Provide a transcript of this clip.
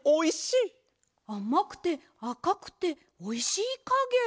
あまくてあかくておいしいかげ。